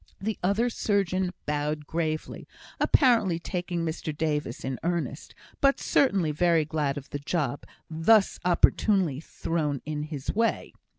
The other surgeon bowed gravely, apparently taking Mr Davis in earnest, but certainly very glad of the job thus opportunely thrown in his way.